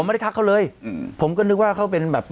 ผมไม่ได้ทักเขาเลยผมก็นึกว่าเขาเป็นอะไรบริกร